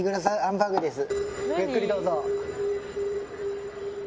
ごゆっくりどうぞ。